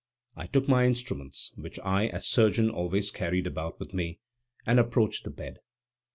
I took my instruments, which I as surgeon always carried about with me, and approached the bed.